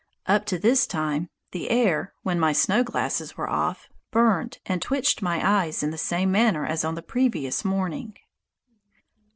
Up to this time the air, when my snow glasses were off, burned and twitched my eyes in the same manner as on the previous morning.